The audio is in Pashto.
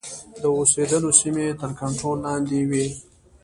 د اوسېدلو سیمې یې تر کنټرول لاندي وې.